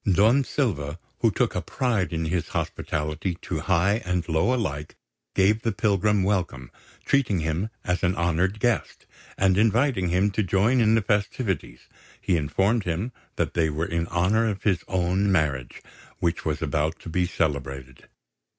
Don Silva, who took a pride in his hospitality to high and low alike, gave the pilgrim welcome, treating him as an honoured guest; and inviting him to join in the festivities, he informed him that they were in honour of his own marriage, which was about to be celebrated.